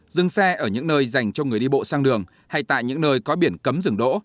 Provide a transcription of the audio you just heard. dừng xe ở những nơi dành cho người đi bộ sang đường hay tại những nơi có biển cấm rừng đỗ